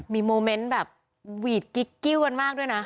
มีโมเมนต์แบบหวีดกิ๊กกิ้วกันมากด้วยนะ